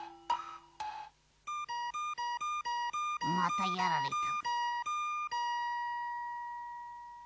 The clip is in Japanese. またやられた。